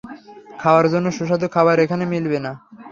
খাওয়ার জন্য সুস্বাদু খাবার এখানে মিলবে না।